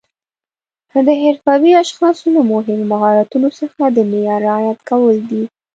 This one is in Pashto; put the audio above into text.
د حرفوي اشخاصو له مهمو مهارتونو څخه د معیار رعایت کول دي.